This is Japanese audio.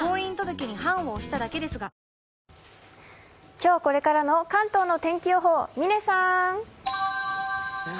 今日これからの関東の天気予報、嶺さーん。